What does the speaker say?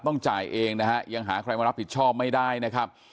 ต้องจ่ายเองนะฮะยังหาใครมารับผิดชอบไม่ได้นะครับ